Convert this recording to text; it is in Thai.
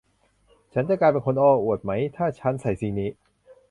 ฉันจะกลายเป็นคนโอ้อวดมั้ยถ้าฉันใส่สิ่งนี้